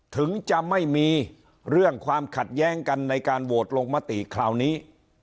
ถึงจะไม่มีเรื่องความขัดแย้งกันในการโหวตลงมติคราวนี้